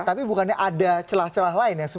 tapi bukannya ada celah celah lain ya